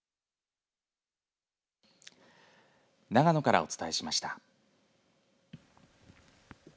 長野からお伝えしました。